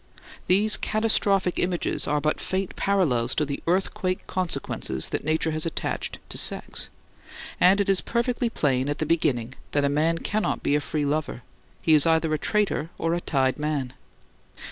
These catastrophic images are but faint parallels to the earthquake consequences that Nature has attached to sex; and it is perfectly plain at the beginning that a man cannot be a free lover; he is either a traitor or a tied man.